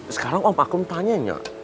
sekarang om akkum tanyanya